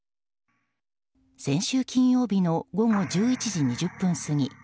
先週金曜日の午後１１時２０分過ぎ。